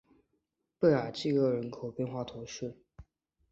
贝尔济厄人口变化图示